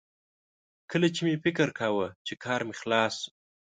کله چې مې فکر کاوه چې کار مې خلاص شو